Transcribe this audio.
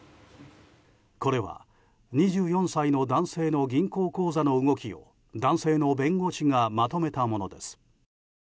これは２４歳の男性の銀行口座の動きを男性の弁護士がまとめたものです。